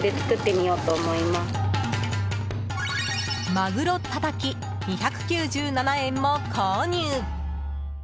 マグロたたき、２９７円も購入。